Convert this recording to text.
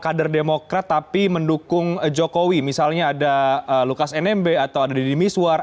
kader demokrat tapi mendukung jokowi misalnya ada lukas nmb atau ada deddy miswar